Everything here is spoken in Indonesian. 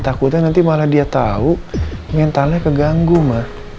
takutnya nanti malah dia tau mentalnya keganggu mak